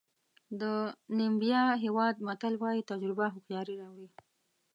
د نیمبیا هېواد متل وایي تجربه هوښیاري راوړي.